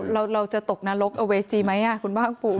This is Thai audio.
เราจะตกนรกเอาเวจีไหมคุณภาคภูมิ